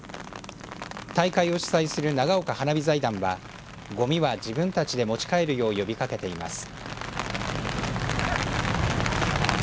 大会を主催する長岡花火財団はごみは自分たちで持ち帰るよう呼びかけています。